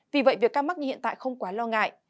vì vậy việc ca mắc như hiện tại không quá lo ngại